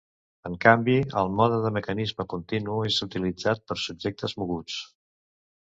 En canvi, el mode de mecanisme continu és utilitzat per subjectes moguts.